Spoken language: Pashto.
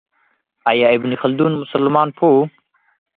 آیا ابن خلدون مسلمان پوه و؟